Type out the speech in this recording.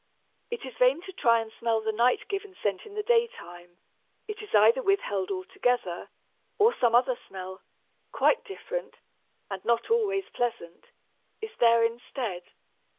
It is vain to try and smell the night given scent in the daytime; it is either withheld altogether, or some other smell, quite different, and not always pleasant, is there instead.